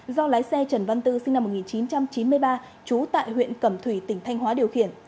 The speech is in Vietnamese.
do lái xe trần văn tư sinh năm một nghìn chín trăm chín mươi ba trú tại huyện cẩm thủy tỉnh thanh hóa điều khiển